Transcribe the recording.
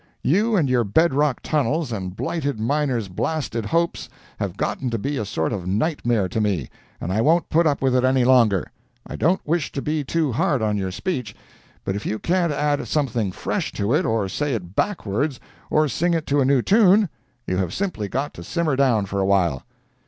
You and your bed rock tunnels, and blighted miners' blasted hopes, have gotten to be a sort of nightmare to me, and I won't put up with it any longer. I don't wish to be too hard on your speech, but if you can't add something fresh to it, or say it backwards, or sing it to a new tune, you have simply got to simmer down for awhile."